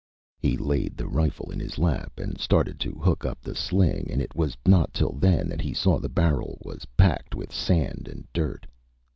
He laid the rifle in his lap and started to hook up the sling and it was not till then that he saw the barrel was packed with sand and dirt.